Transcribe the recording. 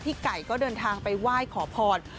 ไก่ก็เดินทางไปไหว้ขอพร